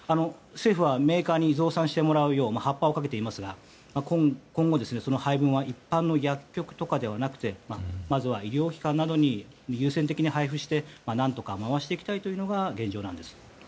政府はメーカーに増産してもらうようはっぱをかけていますが今後、配分は一般の薬局とかではなくてまずは医療機関などに優先的に配布して何とか回していきたいというのが現状なんです。